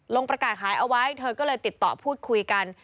ประกาศขายเอาไว้เธอก็เลยติดต่อพูดคุยกัน